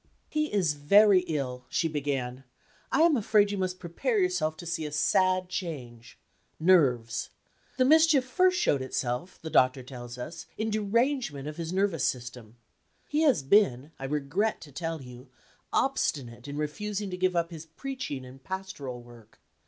"He is very ill," she began; "I am afraid you must prepare yourself to see a sad change. Nerves. The mischief first showed itself, the doctor tells us, in derangement of his nervous system. He has been, I regret to tell you, obstinate in refusing to give up his preaching and pastoral work.